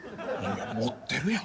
持ってるやん！